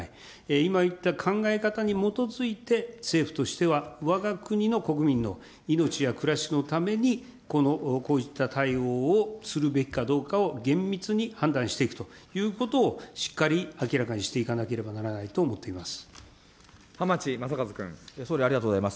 今言った考え方に基づいて、政府としては、わが国の国民の命や暮らしのために、こういった対応をするべきかどうかを厳密に判断していくということを、しっかり明らかにしていかなければならないと思っています。